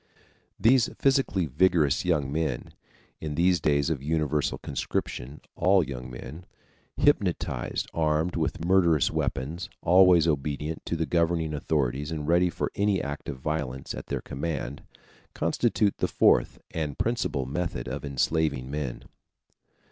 These physically vigorous young men (in these days of universal conscription, all young men), hypnotized, armed with murderous weapons, always obedient to the governing authorities and ready for any act of violence at their command, constitute the fourth and principal method of enslaving men.